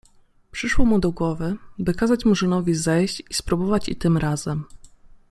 Przyszło mu do głowy, by kazać Murzynowi zejść i spróbować i tym razem.